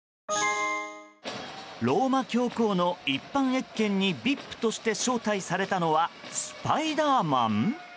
ローマ教皇の一般謁見にＶＩＰとして招待されたのはスパイダーマン？